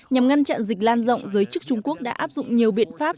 nhằm ngăn chặn dịch lan rộng giới chức trung quốc đã áp dụng nhiều biện pháp